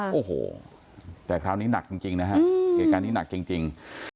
โอ้โหแต่คราวนี้หนักจริงจริงนะฮะเกี่ยวกันนี้หนักจริงจริง